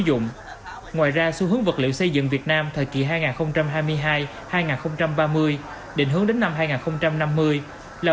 dụng ngoài ra xu hướng vật liệu xây dựng việt nam thời kỳ hai nghìn hai mươi hai hai nghìn ba mươi định hướng đến năm hai nghìn năm mươi là